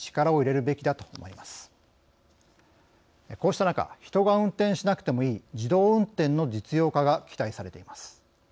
こうした中人が運転しなくてもいい自動運転の実用化が期待されています。